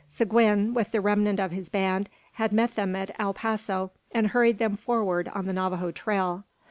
Seguin, with the remnant of his band, had met them at El Paso, and hurried them forward on the Navajo trail.